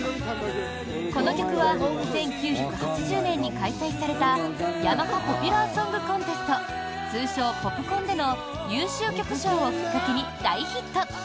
この曲は１９８０年に開催されたヤマハポピュラーソングコンテスト通称・ポプコンでの優秀曲賞をきっかけに大ヒット。